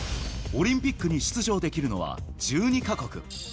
オリンピックに出場できるのは１２か国。